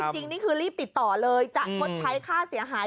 จริงนี่คือรีบติดต่อเลยจะชดใช้ค่าเสียหาย